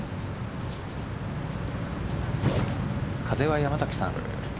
風は、山崎さん。